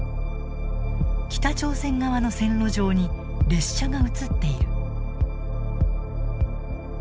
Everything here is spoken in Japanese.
北朝鮮側の線路上に列車が映っている。